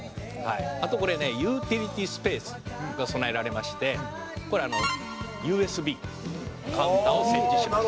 あとこれねユーティリティスペースが備えられましてこれＵＳＢカウンターを設置しました」